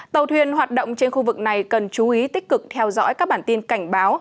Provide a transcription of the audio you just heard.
tàu thuyền hoạt động trên khu vực này cần chú ý tích cực theo dõi các bản tin cảnh báo